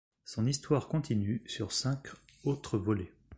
Son histoire continue sur cinq autres volets.